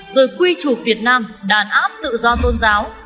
rồi quy trục việt nam đàn áp tự do tôn giáo